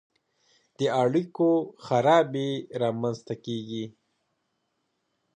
د اړیکو خرابي رامنځته کیږي.